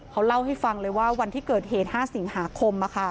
เขาเล่าให้ฟังเลยว่าวันที่เกิดเหตุ๕สิงหาคม